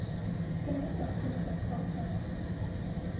คณะสังคมสงเคราะห์ศาสตร์